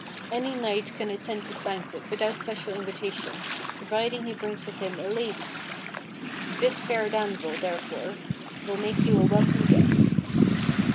Any knight can attend this banquet without special invitation ])roviding he brings with him a lady. This fair damsel, therefore, will make you a welcome guest."